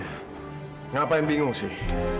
kenapa yang bingung sih